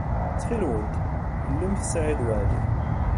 Ttxil-went, allemt Saɛid Waɛli.